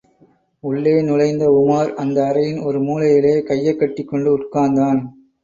உள்ளே நுழைந்த உமார் அந்த அறையின் ஒரு மூலையிலே, கையைக் கட்டிக் கொண்டு உட்கார்ந்தான்.